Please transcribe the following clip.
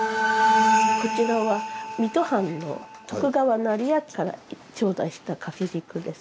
こちらは水戸藩の徳川斉昭から頂戴した掛け軸です。